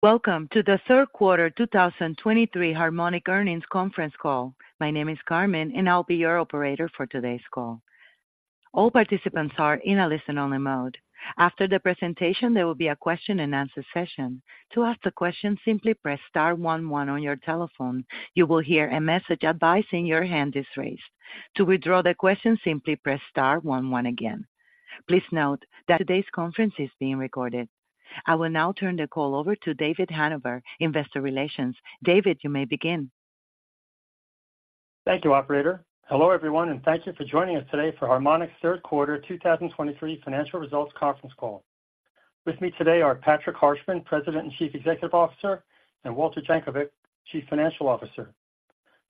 Welcome to the third quarter 2023 Harmonic Earnings Conference Call. My name is Carmen, and I'll be your operator for today's call. All participants are in a listen-only mode. After the presentation, there will be a question-and-answer session. To ask the question, simply press star one one on your telephone. You will hear a message advising your hand is raised. To withdraw the question, simply press star one one again. Please note that today's conference is being recorded. I will now turn the call over to David Hanover, Investor Relations. David, you may begin. Thank you, operator. Hello, everyone, and thank you for joining us today for Harmonic's third quarter 2023 financial results conference call. With me today are Patrick Harshman, President and Chief Executive Officer, and Walter Jankovic, Chief Financial Officer.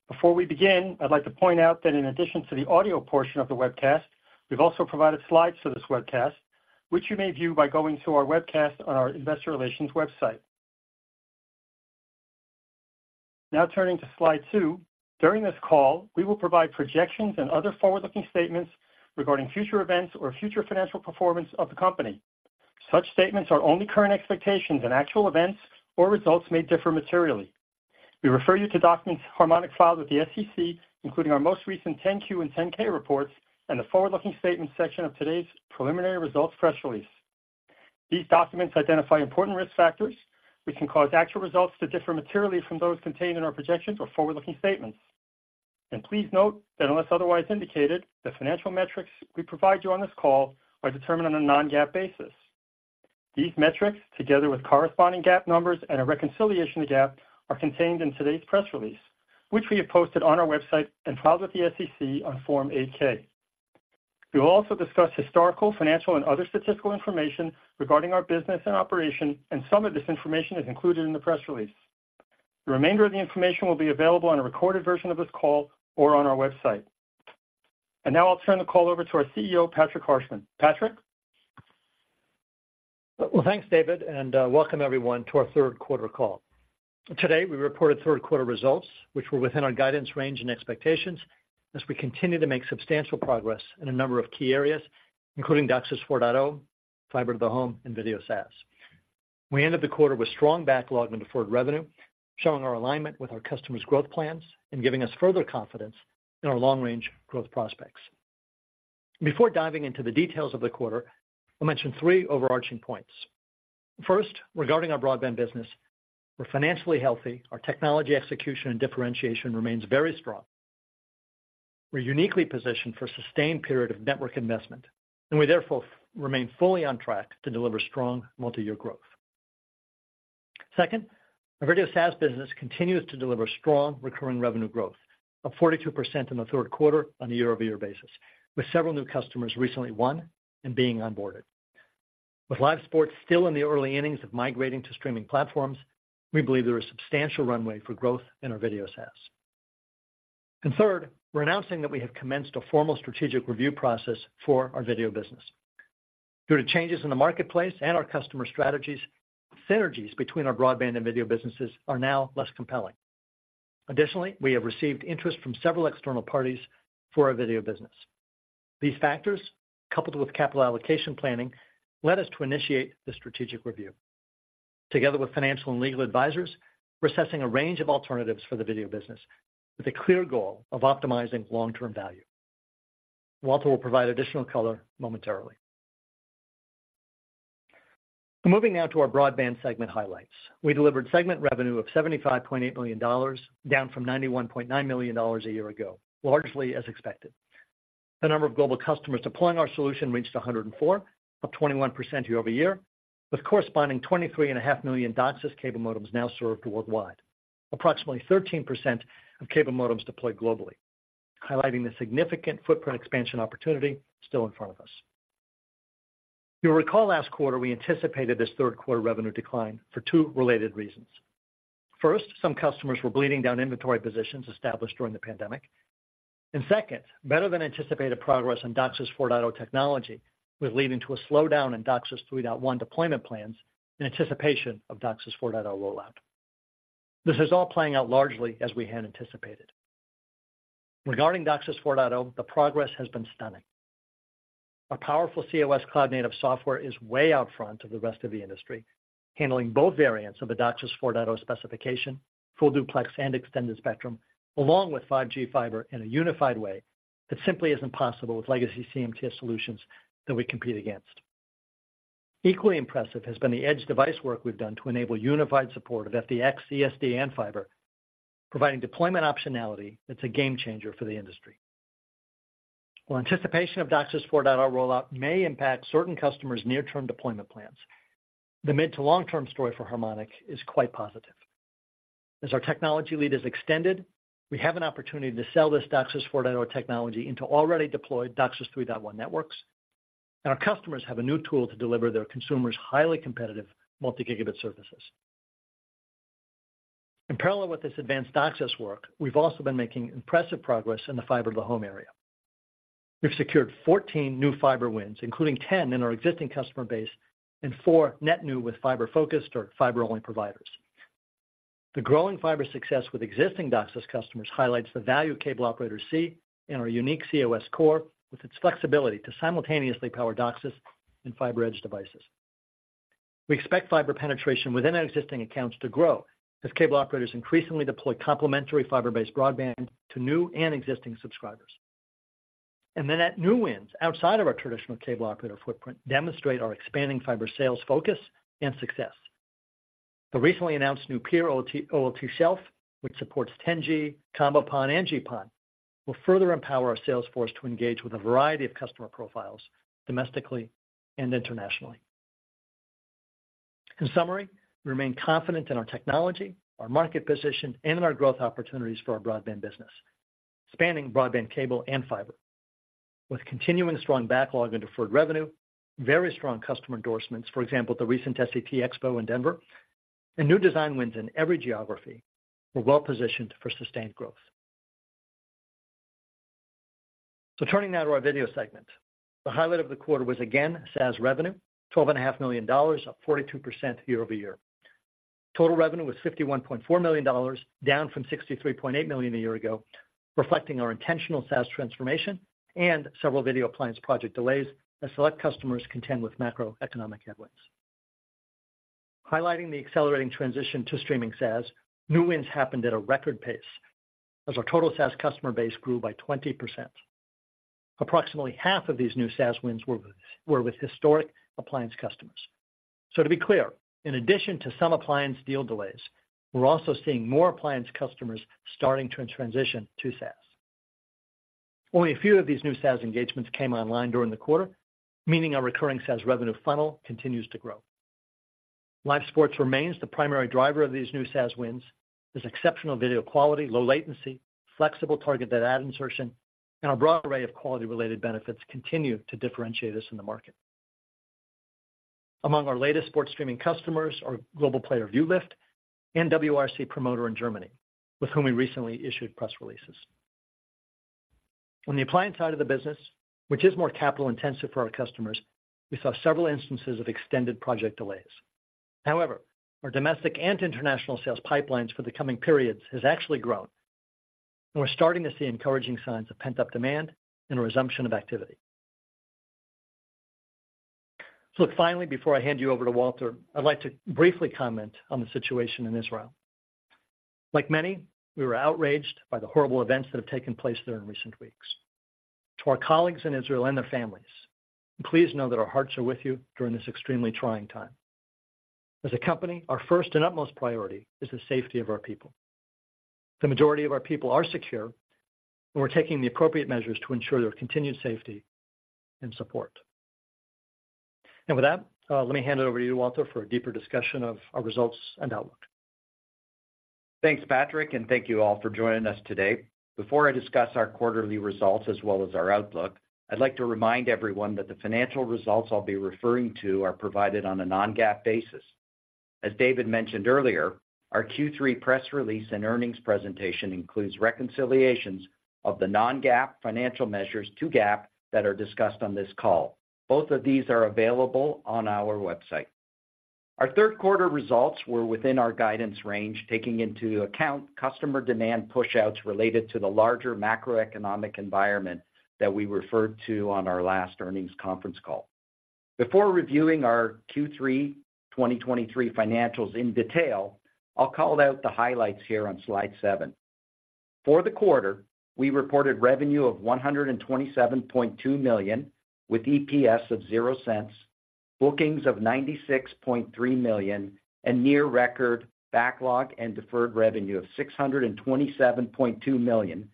Before we begin, I'd like to point out that in addition to the audio portion of the webcast, we've also provided slides for this webcast, which you may view by going to our webcast on our investor relations website. Now turning to slide two. During this call, we will provide projections and other forward-looking statements regarding future events or future financial performance of the company. Such statements are only current expectations, and actual events or results may differ materially. We refer you to documents Harmonic files with the SEC, including our most recent 10-Q and 10-K reports, and the forward-looking statement section of today's preliminary results press release. These documents identify important risk factors which can cause actual results to differ materially from those contained in our projections or forward-looking statements. Please note that unless otherwise indicated, the financial metrics we provide you on this call are determined on a non-GAAP basis. These metrics, together with corresponding GAAP numbers and a reconciliation to GAAP, are contained in today's press release, which we have posted on our website and filed with the SEC on Form 8-K. We will also discuss historical, financial, and other statistical information regarding our business and operation, and some of this information is included in the press release. The remainder of the information will be available on a recorded version of this call or on our website. Now I'll turn the call over to our Chief Executive Officer, Patrick Harshman. Patrick? Well, thanks, David, and welcome everyone to our third quarter call. Today, we reported third quarter results, which were within our guidance range and expectations as we continue to make substantial progress in a number of key areas, including DOCSIS 4.0, fiber to the home, and video SaaS. We ended the quarter with strong backlog and deferred revenue, showing our alignment with our customers' growth plans and giving us further confidence in our long-range growth prospects. Before diving into the details of the quarter, I'll mention three overarching points. First, regarding our broadband business, we're financially healthy. Our technology execution and differentiation remains very strong. We're uniquely positioned for a sustained period of network investment, and we therefore remain fully on track to deliver strong multi-year growth. Second, our video SaaS business continues to deliver strong recurring revenue growth of 42% in the third quarter on a year-over-year basis, with several new customers recently won and being onboarded. With live sports still in the early innings of migrating to streaming platforms, we believe there is substantial runway for growth in our video SaaS. Third, we're announcing that we have commenced a formal strategic review process for our video business. Due to changes in the marketplace and our customer strategies, synergies between our broadband and video businesses are now less compelling. Additionally, we have received interest from several external parties for our video business. These factors, coupled with capital allocation planning, led us to initiate the strategic review. Together with financial and legal advisors, we're assessing a range of alternatives for the video business with a clear goal of optimizing long-term value. Walter will provide additional color momentarily. Moving now to our broadband segment highlights. We delivered segment revenue of $75.8 million, down from $91.9 million a year ago, largely as expected. The number of global customers deploying our solution reached 104, up 21% year-over-year, with corresponding 23.5 million DOCSIS cable modems now served worldwide. Approximately 13% of cable modems deployed globally, highlighting the significant footprint expansion opportunity still in front of us. You'll recall last quarter, we anticipated this third quarter revenue decline for two related reasons. First, some customers were bleeding down inventory positions established during the pandemic. And second, better than anticipated progress on DOCSIS 4.0 technology was leading to a slowdown in DOCSIS 3.1 deployment plans in anticipation of DOCSIS 4.0 rollout. This is all playing out largely as we had anticipated. Regarding DOCSIS 4.0, the progress has been stunning. Our powerful cOS cloud-native software is way out front of the rest of the industry, handling both variants of the DOCSIS 4.0 specification, full duplex and extended spectrum, along with 5G fiber in a unified way that simply isn't possible with legacy CMTS solutions that we compete against. Equally impressive has been the edge device work we've done to enable unified support of FDX, ESD, and fiber, providing deployment optionality that's a game changer for the industry. While anticipation of DOCSIS 4.0 rollout may impact certain customers' near-term deployment plans, the mid to long-term story for Harmonic is quite positive. As our technology lead is extended, we have an opportunity to sell this DOCSIS 4.0 technology into already deployed DOCSIS 3.1 networks. And our customers have a new tool to deliver their consumers highly competitive multi-gigabit services. In parallel with this advanced DOCSIS work, we've also been making impressive progress in the fiber to the home area. We've secured 14 new fiber wins, including 10 in our existing customer base and 4 net new with fiber-focused or fiber-only providers. The growing fiber success with existing DOCSIS customers highlights the value cable operators see in our unique cOS core, with its flexibility to simultaneously power DOCSIS and fiber edge devices. We expect fiber penetration within our existing accounts to grow as cable operators increasingly deploy complementary fiber-based broadband to new and existing subscribers. And then, new wins outside of our traditional cable operator footprint demonstrate our expanding fiber sales focus and success. The recently announced new Pier OLT shelf, which supports 10G Combo PON and GPON, will further empower our sales force to engage with a variety of customer profiles domestically and internationally. In summary, we remain confident in our technology, our market position, and in our growth opportunities for our broadband business, spanning broadband, cable, and fiber. With continuing strong backlog and deferred revenue, very strong customer endorsements, for example, the recent SCTE Expo in Denver, and new design wins in every geography, we're well positioned for sustained growth. Turning now to our video segment. The highlight of the quarter was again SaaS revenue, $12.5 million, up 42% year-over-year. Total revenue was $51.4 million, down from $63.8 million a year ago, reflecting our intentional SaaS transformation and several video appliance project delays as select customers contend with macroeconomic headwinds. Highlighting the accelerating transition to streaming SaaS, new wins happened at a record pace as our total SaaS customer base grew by 20%. Approximately half of these new SaaS wins were with historic appliance customers. So to be clear, in addition to some appliance deal delays, we're also seeing more appliance customers starting to transition to SaaS. Only a few of these new SaaS engagements came online during the quarter, meaning our recurring SaaS revenue funnel continues to grow. Live sports remains the primary driver of these new SaaS wins, with exceptional video quality, low latency, flexible targeted ad insertion, and our broad array of quality-related benefits continue to differentiate us in the market. Among our latest sports streaming customers are global player, ViewLift, and WRC Promoter in Germany, with whom we recently issued press releases. On the appliance side of the business, which is more capital-intensive for our customers, we saw several instances of extended project delays. However, our domestic and international sales pipelines for the coming periods has actually grown, and we're starting to see encouraging signs of pent-up demand and a resumption of activity. So look, finally, before I hand you over to Walter, I'd like to briefly comment on the situation in Israel. Like many, we were outraged by the horrible events that have taken place there in recent weeks. To our colleagues in Israel and their families, please know that our hearts are with you during this extremely trying time. As a company, our first and utmost priority is the safety of our people. The majority of our people are secure, and we're taking the appropriate measures to ensure their continued safety and support. And with that, let me hand it over to you, Walter, for a deeper discussion of our results and outlook. Thanks, Patrick, and thank you all for joining us today. Before I discuss our quarterly results as well as our outlook, I'd like to remind everyone that the financial results I'll be referring to are provided on a non-GAAP basis. As David mentioned earlier, our Q3 press release and earnings presentation includes reconciliations of the non-GAAP financial measures to GAAP that are discussed on this call. Both of these are available on our website. Our third quarter results were within our guidance range, taking into account customer demand pushouts related to the larger macroeconomic environment that we referred to on our last earnings conference call. Before reviewing our Q3 2023 financials in detail, I'll call out the highlights here on slide seven. For the quarter, we reported revenue of $127.2 million, with EPS of $0.00, bookings of $96.3 million, and near record backlog and deferred revenue of $627.2 million.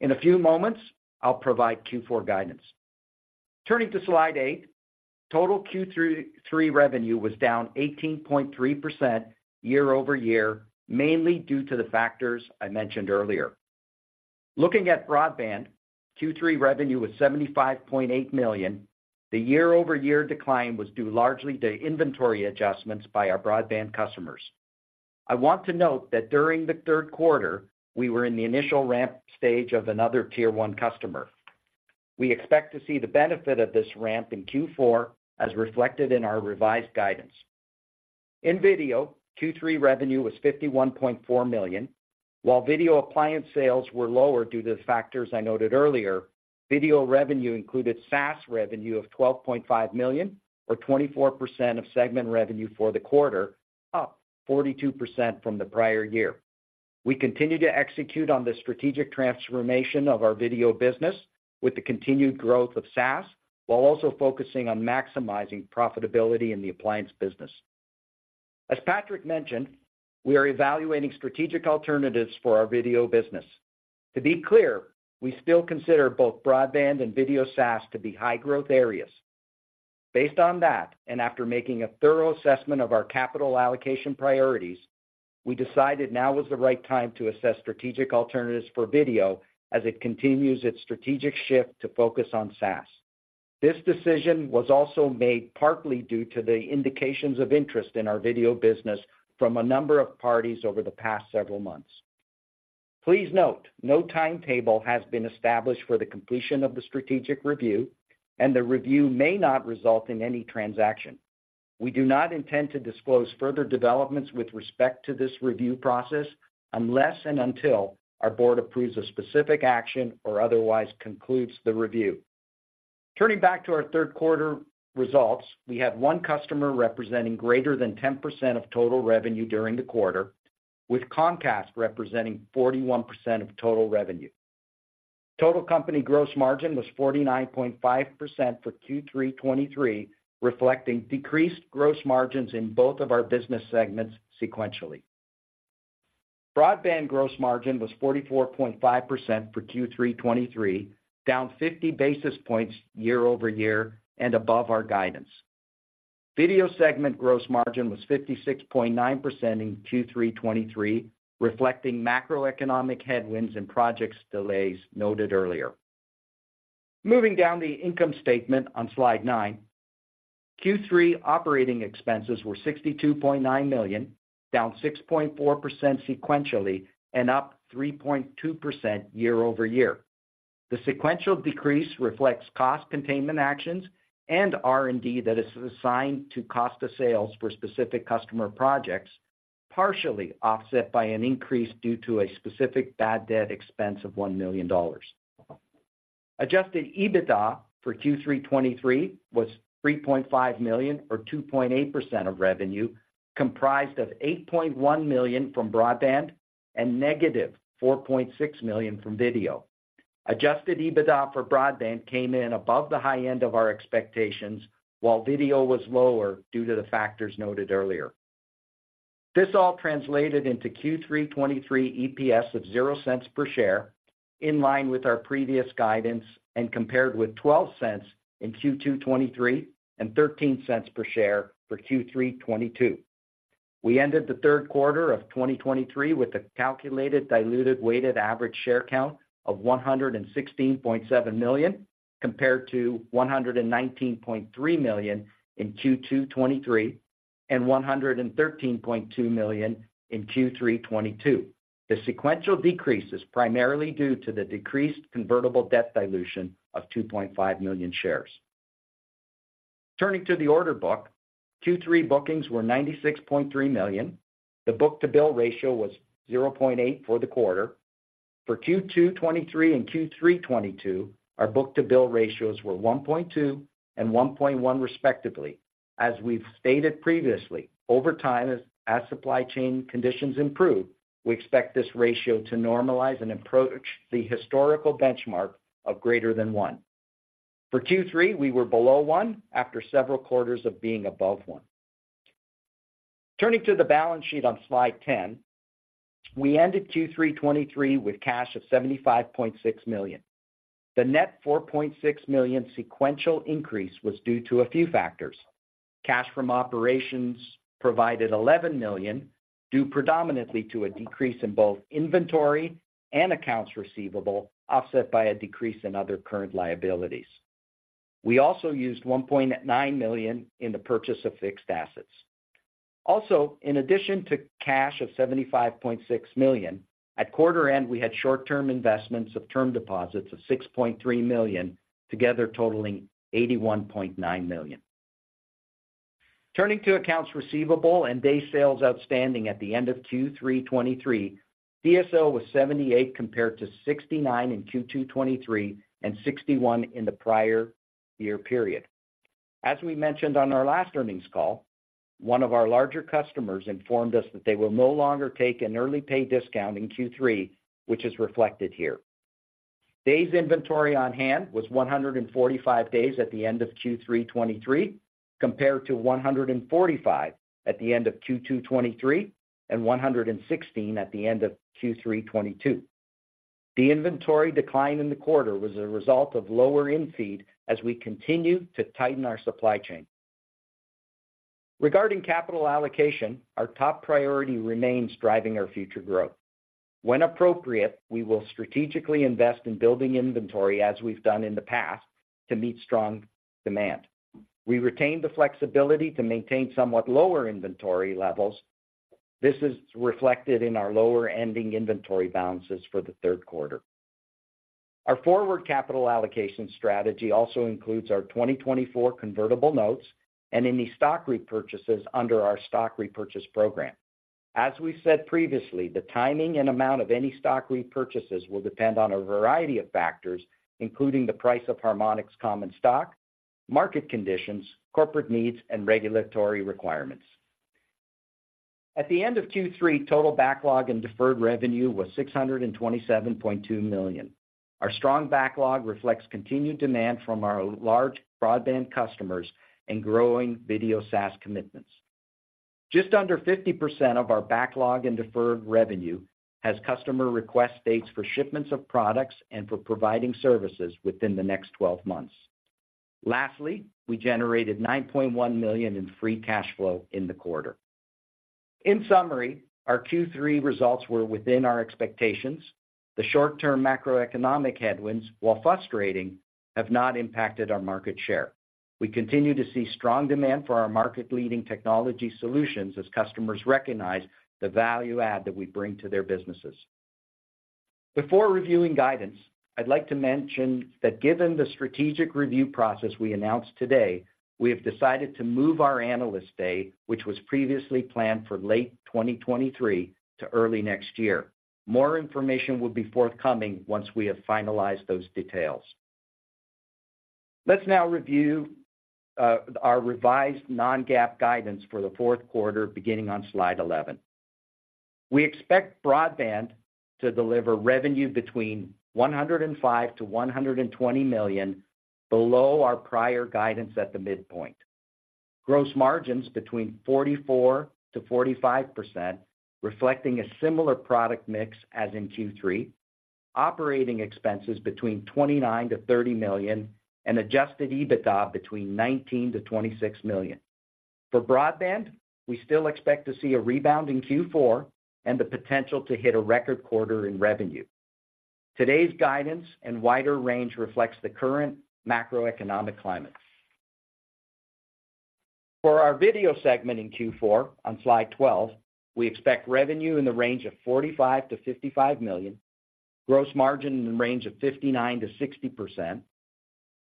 In a few moments, I'll provide Q4 guidance. Turning to slide eight, total Q3 revenue was down 18.3% year-over-year, mainly due to the factors I mentioned earlier. Looking at broadband, Q3 revenue was $75.8 million. The year-over-year decline was due largely to inventory adjustments by our broadband customers. I want to note that during the third quarter, we were in the initial ramp stage of another Tier One customer. We expect to see the benefit of this ramp in Q4, as reflected in our revised guidance. In video, Q3 revenue was $51.4 million. While video appliance sales were lower due to the factors I noted earlier, video revenue included SaaS revenue of $12.5 million or 24% of segment revenue for the quarter, up 42% from the prior year. We continue to execute on the strategic transformation of our video business with the continued growth of SaaS, while also focusing on maximizing profitability in the appliance business. As Patrick mentioned, we are evaluating strategic alternatives for our video business. To be clear, we still consider both broadband and video SaaS to be high-growth areas. Based on that, and after making a thorough assessment of our capital allocation priorities, we decided now was the right time to assess strategic alternatives for video as it continues its strategic shift to focus on SaaS. This decision was also made partly due to the indications of interest in our video business from a number of parties over the past several months. Please note, no timetable has been established for the completion of the strategic review, and the review may not result in any transaction. We do not intend to disclose further developments with respect to this review process unless and until our board approves a specific action or otherwise concludes the review. Turning back to our third quarter results, we have one customer representing greater than 10% of total revenue during the quarter, with Comcast representing 41% of total revenue. Total company gross margin was 49.5% for Q3 2023, reflecting decreased gross margins in both of our business segments sequentially. Broadband gross margin was 44.5% for Q3 2023, down 50 basis points year-over-year and above our guidance. Video segment gross margin was 56.9% in Q3 2023, reflecting macroeconomic headwinds and projects delays noted earlier. Moving down the income statement on slide nine. Q3 operating expenses were $62.9 million, down 6.4% sequentially and up 3.2% year-over-year. The sequential decrease reflects cost containment actions and R&D that is assigned to cost of sales for specific customer projects, partially offset by an increase due to a specific bad debt expense of $1 million. Adjusted EBITDA for Q3 2023 was $3.5 million, or 2.8% of revenue, comprised of $8.1 million from broadband and -$4.6 million from video. Adjusted EBITDA for broadband came in above the high end of our expectations, while video was lower due to the factors noted earlier. This all translated into Q3 2023 EPS of $0.00 per share, in line with our previous guidance and compared with $0.12 in Q2 2023 and $0.13 per share for Q3 2022. We ended the third quarter of 2023 with a calculated diluted weighted average share count of 116.7 million, compared to 119.3 million in Q2 2023 and 113.2 million in Q3 2022. The sequential decrease is primarily due to the decreased convertible debt dilution of 2.5 million shares. Turning to the order book, Q3 bookings were $96.3 million. The book-to-bill ratio was 0.8 for the quarter. For Q2 2023 and Q3 2022, our book-to-bill ratios were 1.2 and 1.1, respectively. As we've stated previously, over time, as supply chain conditions improve, we expect this ratio to normalize and approach the historical benchmark of greater than one. For Q3, we were below one after several quarters of being above one. Turning to the balance sheet on slide 10, we ended Q3 2023 with cash of $75.6 million. The net $4.6 million sequential increase was due to a few factors. Cash from operations provided $11 million, due predominantly to a decrease in both inventory and accounts receivable, offset by a decrease in other current liabilities. We also used $1.9 million in the purchase of fixed assets. Also, in addition to cash of $75.6 million, at quarter end, we had short-term investments of term deposits of $6.3 million, together totaling $81.9 million. Turning to accounts receivable and day sales outstanding at the end of Q3 2023, DSO was 78, compared to 69 in Q2 2023 and 61 in the prior year period. As we mentioned on our last earnings call, one of our larger customers informed us that they will no longer take an early pay discount in Q3, which is reflected here. Days inventory on hand was 145 days at the end of Q3 2023, compared to 145 at the end of Q2 2023 and 116 at the end of Q3 2022. The inventory decline in the quarter was a result of lower in-feed as we continue to tighten our supply chain. Regarding capital allocation, our top priority remains driving our future growth. When appropriate, we will strategically invest in building inventory as we've done in the past, to meet strong demand. We retain the flexibility to maintain somewhat lower inventory levels. This is reflected in our lower ending inventory balances for the third quarter. Our forward capital allocation strategy also includes our 2024 convertible notes and any stock repurchases under our stock repurchase program. As we said previously, the timing and amount of any stock repurchases will depend on a variety of factors, including the price of Harmonic's common stock, market conditions, corporate needs, and regulatory requirements. At the end of Q3, total backlog and deferred revenue was $627.2 million. Our strong backlog reflects continued demand from our large broadband customers and growing video SaaS commitments. Just under 50% of our backlog and deferred revenue has customer request dates for shipments of products and for providing services within the next 12 months. Lastly, we generated $9.1 million in free cash flow in the quarter. In summary, our Q3 results were within our expectations. The short-term macroeconomic headwinds, while frustrating, have not impacted our market share. We continue to see strong demand for our market-leading technology solutions as customers recognize the value add that we bring to their businesses. Before reviewing guidance, I'd like to mention that given the strategic review process we announced today, we have decided to move our Analyst Day, which was previously planned for late 2023, to early next year. More information will be forthcoming once we have finalized those details. Let's now review our revised non-GAAP guidance for the fourth quarter, beginning on slide 11. We expect broadband to deliver revenue between $105 million-$120 million, below our prior guidance at the midpoint. Gross margins between 44%-45%, reflecting a similar product mix as in Q3. Operating expenses between $29 million-$30 million, and Adjusted EBITDA between $19 million-$26 million. For broadband, we still expect to see a rebound in Q4 and the potential to hit a record quarter in revenue. Today's guidance and wider range reflects the current macroeconomic climate. For our video segment in Q4, on slide 12, we expect revenue in the range of $45 million-$55 million, gross margin in the range of 59%-60%,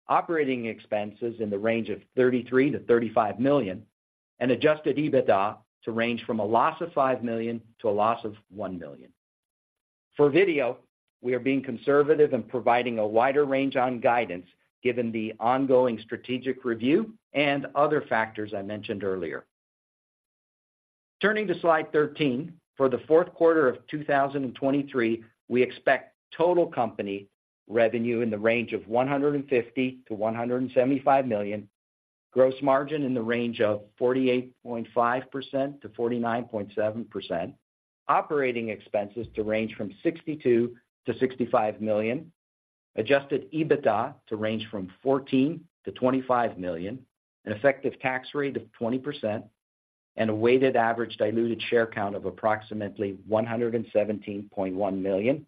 operating expenses in the range of $33 million-$35 million, and Adjusted EBITDA to range from a loss of $5 million to a loss of $1 million. For video, we are being conservative and providing a wider range on guidance, given the ongoing strategic review and other factors I mentioned earlier. Turning to slide 13, for the fourth quarter of 2023, we expect total company revenue in the range of $150 million-$175 million, gross margin in the range of 48.5%-49.7%, operating expenses to range from $62 million-$65 million, adjusted EBITDA to range from $14 million-$25 million, an effective tax rate of 20%, and a weighted average diluted share count of approximately 117.1 million,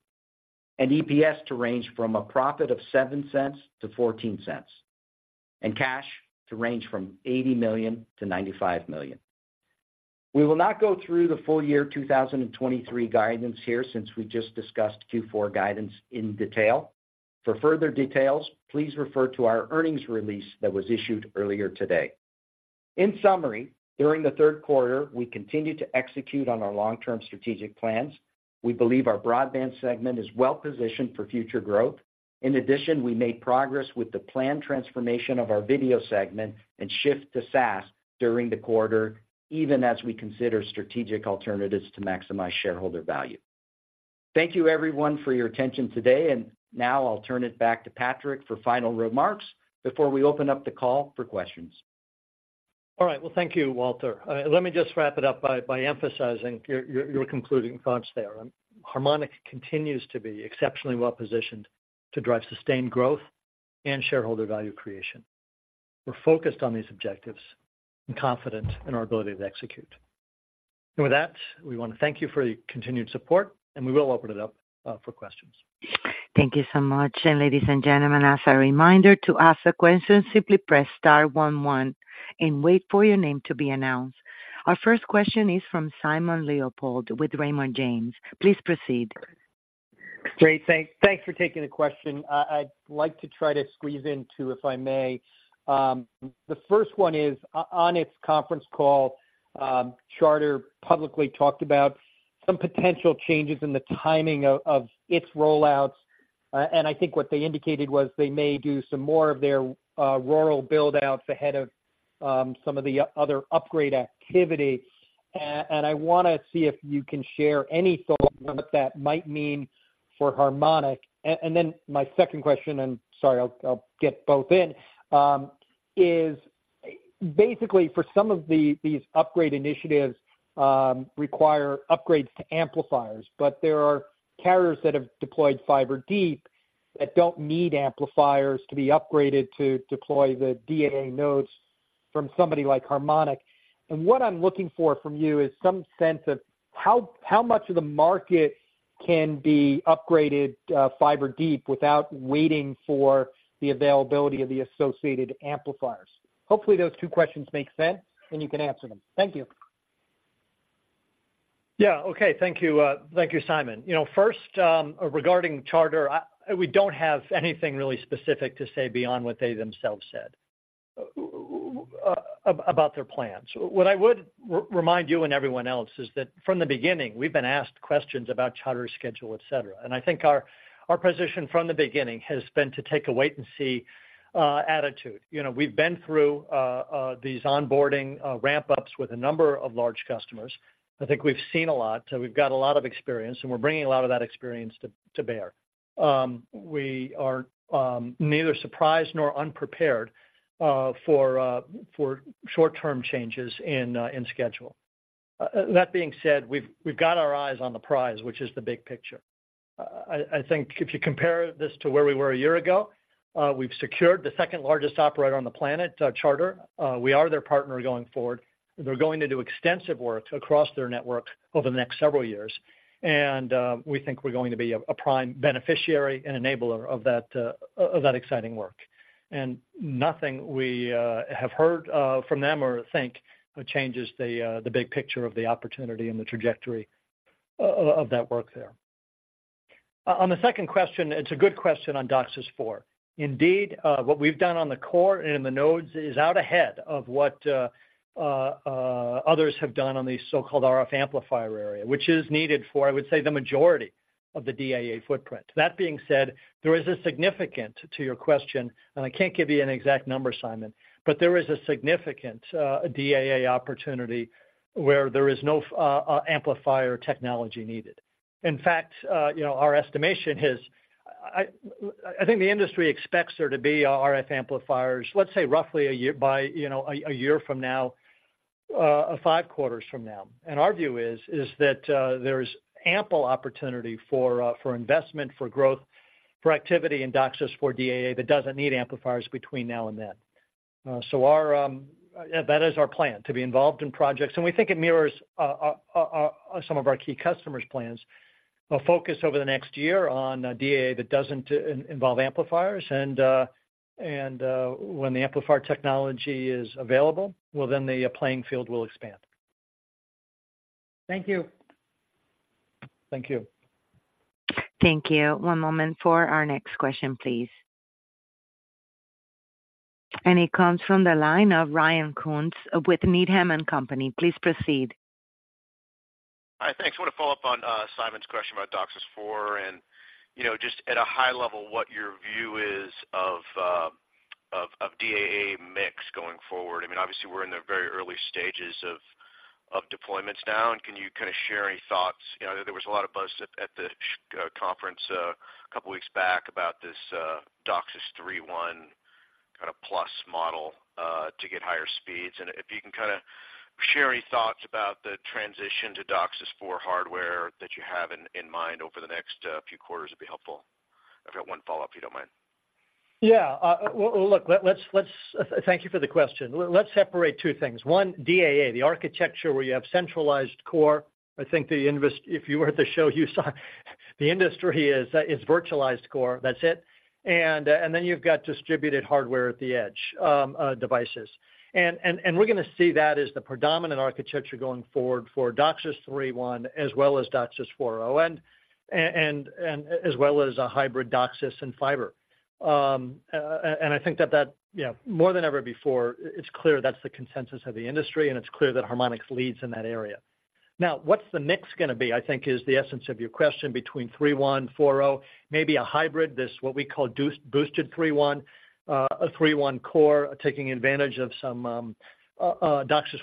and EPS to range from a profit of $0.07-$0.14, and cash to range from $80 million-$95 million. We will not go through the full year 2023 guidance here, since we just discussed Q4 guidance in detail. For further details, please refer to our earnings release that was issued earlier today. In summary, during the third quarter, we continued to execute on our long-term strategic plans. We believe our broadband segment is well positioned for future growth. In addition, we made progress with the planned transformation of our video segment and shift to SaaS during the quarter, even as we consider strategic alternatives to maximize shareholder value. Thank you everyone for your attention today, and now I'll turn it back to Patrick for final remarks before we open up the call for questions. All right. Well, thank you, Walter. Let me just wrap it up by emphasizing your concluding thoughts there. Harmonic continues to be exceptionally well positioned to drive sustained growth and shareholder value creation. We're focused on these objectives and confident in our ability to execute. And with that, we want to thank you for your continued support, and we will open it up for questions. Thank you so much. Ladies and gentlemen, as a reminder, to ask a question, simply press star one one and wait for your name to be announced. Our first question is from Simon Leopold with Raymond James. Please proceed. Great. Thanks for taking the question. I'd like to try to squeeze in two, if I may. The first one is, on its conference call, Charter publicly talked about some potential changes in the timing of its rollouts. And I think what they indicated was they may do some more of their rural buildouts ahead of some of the other upgrade activity. And I want to see if you can share any thoughts on what that might mean for Harmonic. And then my second question, and sorry, I'll get both in, is basically, for some of these upgrade initiatives, require upgrades to amplifiers, but there are carriers that have deployed fiber deep that don't need amplifiers to be upgraded to deploy the DAA nodes from somebody like Harmonic. What I'm looking for from you is some sense of how much of the market can be upgraded fiber deep without waiting for the availability of the associated amplifiers. Hopefully, those two questions make sense, and you can answer them. Thank you. Yeah. Okay. Thank you, thank you, Simon. You know, first, regarding Charter, we don't have anything really specific to say beyond what they themselves said about their plans. What I would remind you and everyone else is that from the beginning, we've been asked questions about Charter's schedule, et cetera. I think our position from the beginning has been to take a wait and see attitude. You know, we've been through these onboarding ramp-ups with a number of large customers. I think we've seen a lot, so we've got a lot of experience, and we're bringing a lot of that experience to bear. We are neither surprised nor unprepared for short-term changes in schedule. That being said, we've got our eyes on the prize, which is the big picture. I think if you compare this to where we were a year ago, we've secured the second-largest operator on the planet, Charter. We are their partner going forward. They're going to do extensive work across their network over the next several years, and we think we're going to be a prime beneficiary and enabler of that, of that exciting work. And nothing we have heard from them or think changes the big picture of the opportunity and the trajectory, of, of that work there. On the second question, it's a good question on DOCSIS 4.0. Indeed, what we've done on the core and in the nodes is out ahead of what others have done on the so-called RF amplifier area, which is needed for, I would say, the majority of the DAA footprint. That being said, there is a significant to your question, and I can't give you an exact number, Simon, but there is a significant DAA opportunity where there is no amplifier technology needed. In fact, you know, our estimation is, I think the industry expects there to be RF amplifiers, let's say, roughly a year by, you know, a year from now, five quarters from now. And our view is that there's ample opportunity for investment, for growth, for activity in DOCSIS for DAA that doesn't need amplifiers between now and then. So our that is our plan, to be involved in projects. And we think it mirrors some of our key customers' plans. A focus over the next year on DAA that doesn't involve amplifiers, and when the amplifier technology is available, well, then the playing field will expand. Thank you. Thank you. Thank you. One moment for our next question, please. It comes from the line of Ryan Koontz with Needham and Company. Please proceed. Hi, thanks. I want to follow up on Simon's question about DOCSIS 4, and, you know, just at a high level, what your view is of DAA mix going forward. I mean, obviously, we're in the very early stages of deployments now, and can you kind of share any thoughts? You know, there was a lot of buzz at the SCTE conference a couple of weeks back about this DOCSIS 3.1, kind of, plus model to get higher speeds. And if you can kind of share any thoughts about the transition to DOCSIS 4 hardware that you have in mind over the next few quarters, it'd be helpful. I've got one follow-up, if you don't mind. Yeah, well, look, let's thank you for the question. Let's separate two things. One, DAA, the architecture where you have centralized core. I think the investment, if you were at the show you saw, the industry is virtualized core. That's it. And then you've got distributed hardware at the edge, devices. And we're going to see that as the predominant architecture going forward for DOCSIS 3.1 as well as DOCSIS 4.0, and as well as a hybrid DOCSIS and fiber. And I think that, you know, more than ever before, it's clear that's the consensus of the industry, and it's clear that Harmonic leads in that area. Now, what's the mix going to be, I think, is the essence of your question between 3.1, 4.0, maybe a hybrid, this what we call DOCSIS-boosted 3.1, a 3.1 core, taking advantage of some DOCSIS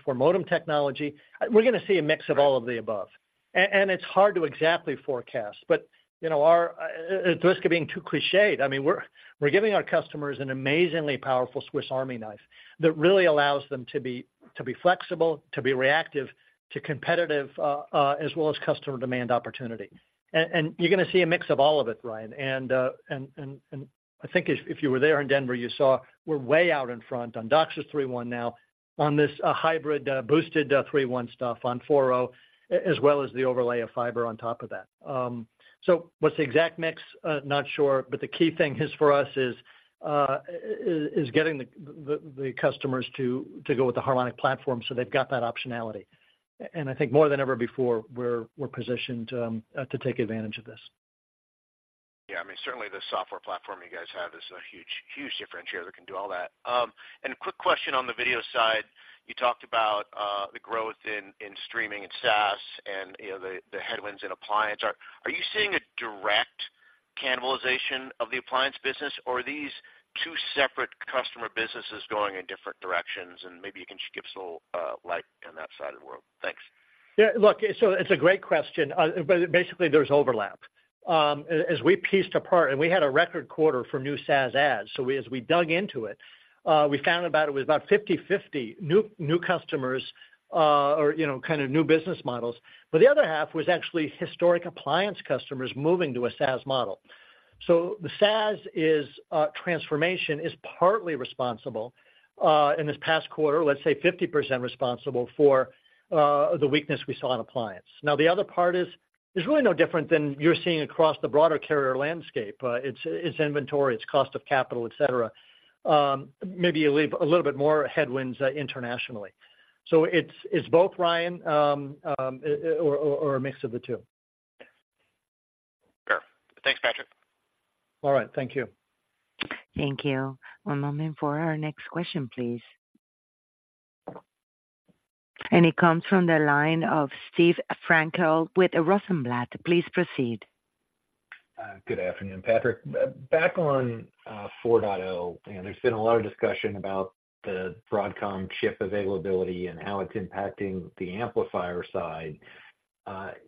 4.0 modem technology. We're going to see a mix of all of the above. And it's hard to exactly forecast, but you know, at the risk of being too clichéd, I mean, we're giving our customers an amazingly powerful Swiss Army knife that really allows them to be flexible, to be reactive, to be competitive, as well as customer demand opportunity. And you're going to see a mix of all of it, Ryan. And I think if you were there in Denver, you saw we're way out in front on DOCSIS 3.1 now on this hybrid boosted 3.1 stuff on 4.0, as well as the overlay of fiber on top of that. So what's the exact mix? Not sure, but the key thing is for us is getting the customers to go with the Harmonic platform, so they've got that optionality. And I think more than ever before, we're positioned to take advantage of this. Yeah, I mean, certainly the software platform you guys have is a huge, huge differentiator that can do all that. And a quick question on the video side. You talked about the growth in streaming and SaaS and, you know, the headwinds in Appliance. Are you seeing a direct cannibalization of the Appliance business, or are these two separate customer businesses going in different directions? And maybe you can give us a little light on that side of the world. Thanks. Yeah, look, so it's a great question, but basically, there's overlap. As we pieced apart, and we had a record quarter for new SaaS ads, so we, as we dug into it, we found about it was about 50/50 new, new customers, or, you know, kind of new business models. But the other half was actually historic Appliance customers moving to a SaaS model. So the SaaS is transformation, is partly responsible, in this past quarter, let's say 50% responsible for, the weakness we saw in Appliance. Now, the other part is, there's really no different than you're seeing across the broader carrier landscape. It's, it's inventory, it's cost of capital, et cetera. Maybe a little bit more headwinds, internationally. So it's, it's both, Ryan, or, or a mix of the two. Sure. Thanks, Patrick. All right, thank you. Thank you. One moment for our next question, please. It comes from the line of Steve Frankel with Rosenblatt. Please proceed. Good afternoon, Patrick. Back on 4.0, and there's been a lot of discussion about the Broadcom chip availability and how it's impacting the amplifier side.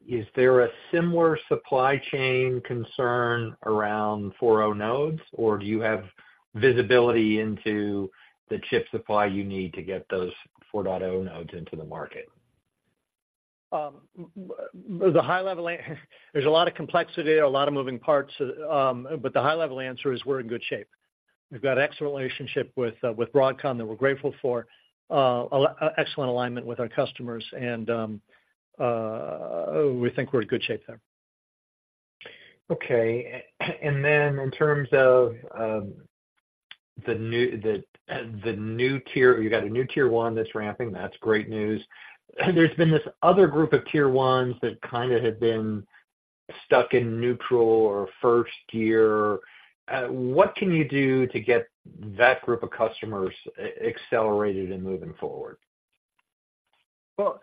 Is there a similar supply chain concern around 4.0 nodes, or do you have visibility into the chip supply you need to get those 4.0 nodes into the market? The high level answer is there's a lot of complexity, a lot of moving parts, but the high level answer is we're in good shape. We've got an excellent relationship with Broadcom that we're grateful for, excellent alignment with our customers, and we think we're in good shape there. Okay. Then in terms of the new tier, you got a new tier one that's ramping, that's great news. There's been this other group of tier ones that kind of have been stuck in neutral or first gear. What can you do to get that group of customers accelerated and moving forward? Well,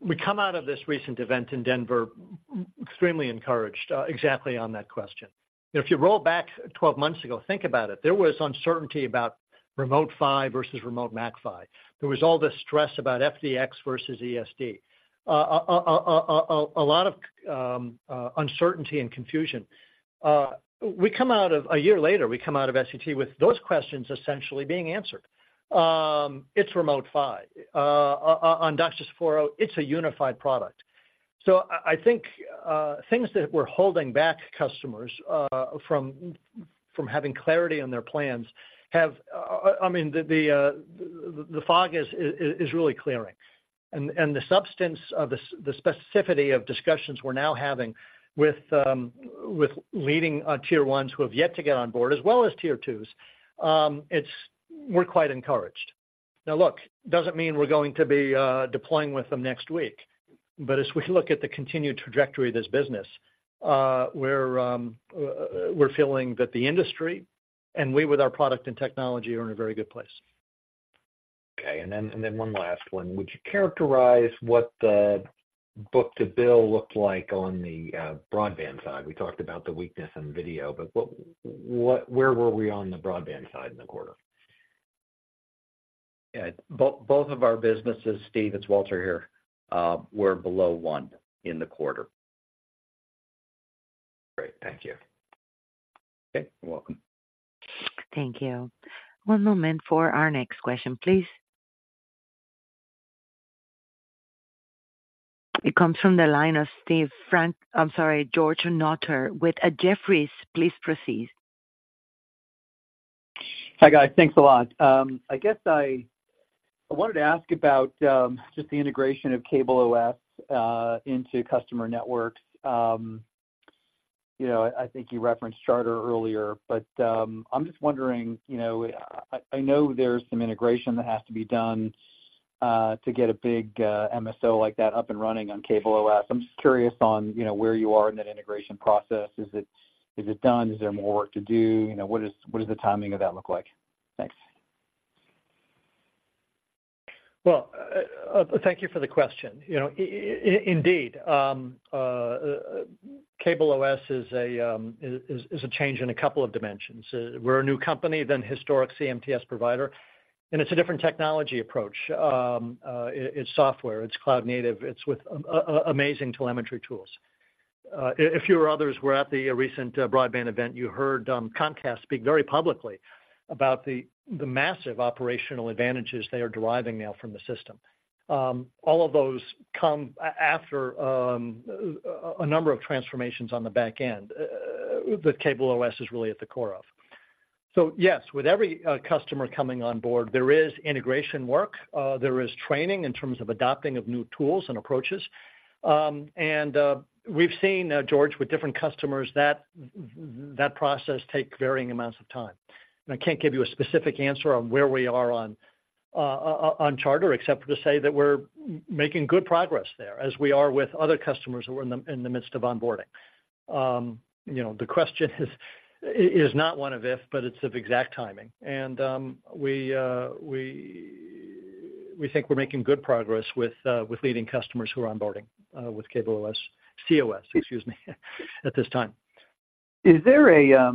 we come out of this recent event in Denver extremely encouraged, exactly on that question. If you roll back 12 months ago, think about it, there was uncertainty about Remote PHY versus Remote MAC-PHY. There was all this stress about FDX versus ESD. A lot of uncertainty and confusion. We come out of a year later, we come out of SCTE with those questions essentially being answered. It's Remote PHY. On DOCSIS 4.0, it's a unified product. So I think things that were holding back customers from having clarity on their plans have, I mean, the fog is really clearing. The substance, the specificity of discussions we're now having with leading tier ones who have yet to get on board, as well as tier twos. It's. We're quite encouraged. Now, look, doesn't mean we're going to be deploying with them next week, but as we look at the continued trajectory of this business, we're feeling that the industry, and we, with our product and technology, are in a very good place. Okay. And then, and then one last one. Would you characterize what the book-to-bill looked like on the broadband side? We talked about the weakness in video, but what, what—where were we on the broadband side in the quarter? Yeah, both, both of our businesses, Steve, it's Walter here, were below one in the quarter. Great. Thank you. Okay, you're welcome. Thank you. One moment for our next question, please. It comes from the line of Steve Frank. I'm sorry, George Notter with Jefferies. Please proceed. Hi, guys. Thanks a lot. I guess I wanted to ask about just the integration of cOS into customer networks. You know, I think you referenced Charter earlier, but I'm just wondering, you know, I know there's some integration that has to be done to get a big MSO like that up and running on cOS. I'm just curious on, you know, where you are in that integration process. Is it done? Is there more work to do? You know, what does the timing of that look like? Thanks. Well, thank you for the question. You know, indeed, cOS is a change in a couple of dimensions. We're a new company than historic CMTS provider, and it's a different technology approach. It's software, it's cloud native, it's with an amazing telemetry tools. If you or others were at the recent broadband event, you heard Comcast speak very publicly about the massive operational advantages they are deriving now from the system. All of those come after a number of transformations on the back end that cOS is really at the core of. So yes, with every customer coming on board, there is integration work, there is training in terms of adopting of new tools and approaches. And we've seen, George, with different customers, that process take varying amounts of time. And I can't give you a specific answer on where we are on Charter, except to say that we're making good progress there, as we are with other customers who are in the midst of onboarding. You know, the question is not one of if, but it's of exact timing. And we think we're making good progress with leading customers who are onboarding with cOS at this time. Is there a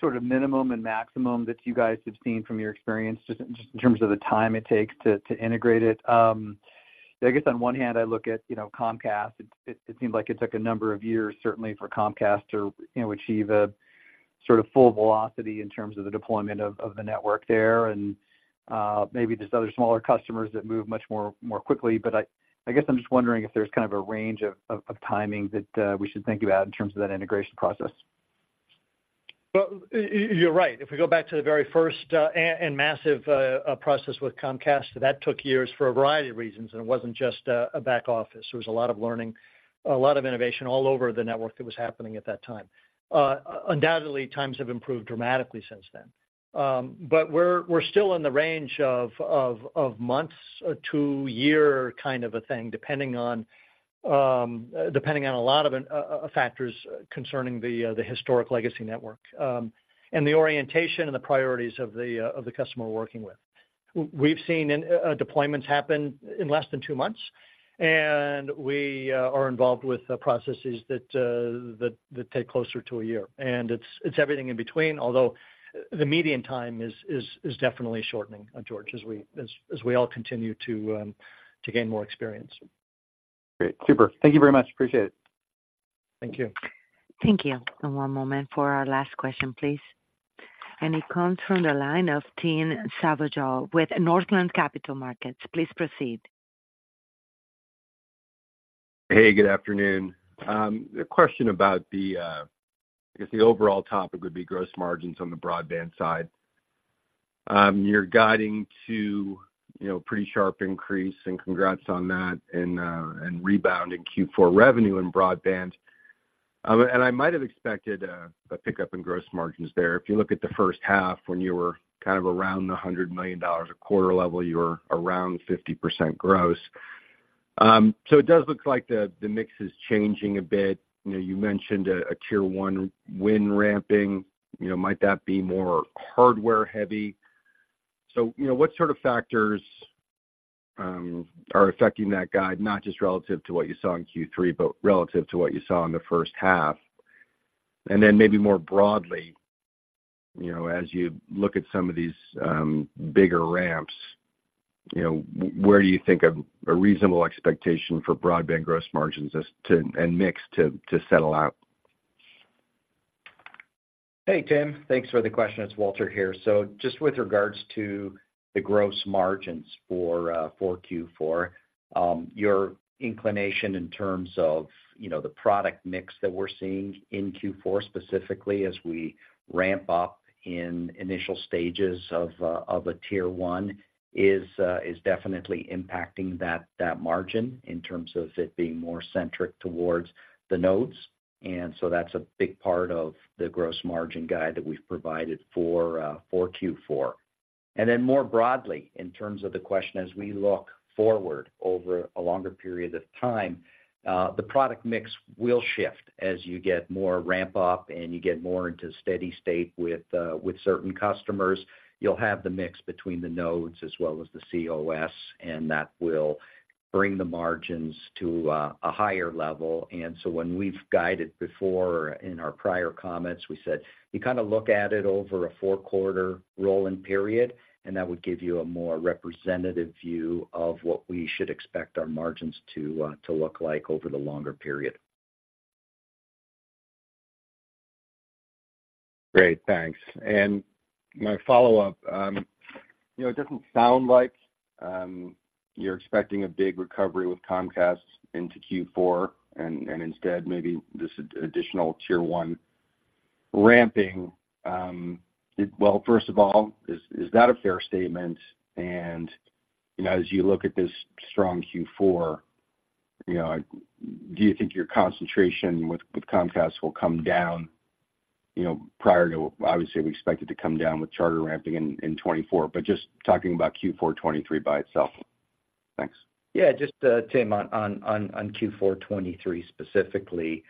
sort of minimum and maximum that you guys have seen from your experience, just in terms of the time it takes to integrate it? I guess on one hand, I look at, you know, Comcast. It seems like it took a number of years, certainly for Comcast to, you know, achieve a sort of full velocity in terms of the deployment of the network there. And maybe there's other smaller customers that move much more quickly. But I guess I'm just wondering if there's kind of a range of timing that we should think about in terms of that integration process. Well, you're right. If we go back to the very first and massive process with Comcast, that took years for a variety of reasons, and it wasn't just a back office. There was a lot of learning, a lot of innovation all over the network that was happening at that time. Undoubtedly, times have improved dramatically since then. But we're still in the range of months to year kind of a thing, depending on a lot of factors concerning the historic legacy network and the orientation and the priorities of the customer we're working with. We've seen in deployments happen in less than two months, and we are involved with the processes that take closer to a year. It's everything in between, although the median time is definitely shortening, George, as we all continue to gain more experience. Great. Super. Thank you very much. Appreciate it. Thank you. Thank you. One moment for our last question, please. It comes from the line of Tim Savageaux with Northland Capital Markets. Please proceed. Hey, good afternoon. A question about the, I guess, the overall topic would be gross margins on the broadband side. You're guiding to, you know, pretty sharp increase, and congrats on that, and rebound in Q4 revenue in broadband. And I might have expected a pickup in gross margins there. If you look at the first half, when you were kind of around $100 million a quarter level, you were around 50% gross. So it does look like the mix is changing a bit. You know, you mentioned a Tier One win ramping. You know, might that be more hardware-heavy? So, you know, what sort of factors are affecting that guide, not just relative to what you saw in Q3, but relative to what you saw in the first half? And then maybe more broadly, you know, as you look at some of these bigger ramps, you know, where do you think a reasonable expectation for broadband gross margins as to, and mix to, to settle out? Hey, Tim, thanks for the question. It's Walter here. So just with regards to the gross margins for Q4, your inclination in terms of, you know, the product mix that we're seeing in Q4, specifically as we ramp up in initial stages of a Tier One, is definitely impacting that margin in terms of it being more centric towards the nodes. And so that's a big part of the gross margin guide that we've provided for Q4. And then more broadly, in terms of the question, as we look forward over a longer period of time, the product mix will shift. As you get more ramp up and you get more into steady state with, with certain customers, you'll have the mix between the nodes as well as the cOS, and that will bring the margins to a, a higher level. And so when we've guided before in our prior comments, we said you kind of look at it over a four-quarter rolling period, and that would give you a more representative view of what we should expect our margins to, to look like over the longer period. Great, thanks. And my follow-up, you know, it doesn't sound like you're expecting a big recovery with Comcast into Q4, and instead, maybe this additional Tier One ramping. Well, first of all, is that a fair statement? And, you know, as you look at this strong Q4, you know, do you think your concentration with Comcast will come down, you know, prior to - obviously, we expect it to come down with Charter ramping in 2024, but just talking about Q4 2023 by itself. Thanks. Yeah, just Tim, on Q4 2023, specifically,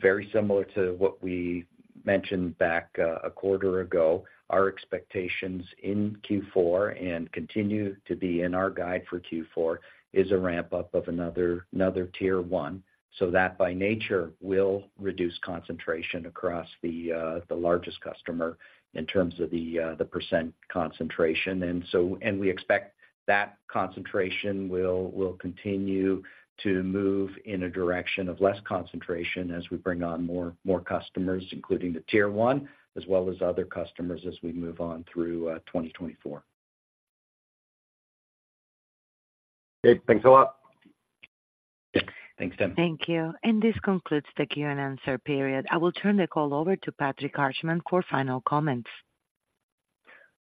very similar to what we mentioned back a quarter ago. Our expectations in Q4 and continue to be in our guide for Q4, is a ramp-up of another Tier One. So that, by nature, will reduce concentration across the largest customer in terms of the percent concentration. And so and we expect that concentration will continue to move in a direction of less concentration as we bring on more customers, including the Tier One, as well as other customers, as we move on through 2024. Great. Thanks a lot. Thanks, Tim. Thank you. This concludes the Q&A answer period. I will turn the call over to Patrick Harshman for final comments.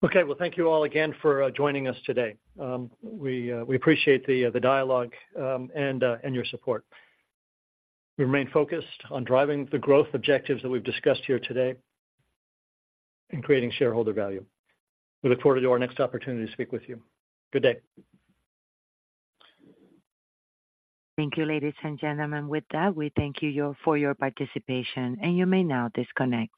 Okay, well, thank you all again for joining us today. We appreciate the dialogue and your support. We remain focused on driving the growth objectives that we've discussed here today, and creating shareholder value. We look forward to our next opportunity to speak with you. Good day. Thank you, ladies and gentlemen. With that, we thank you for your participation, and you may now disconnect.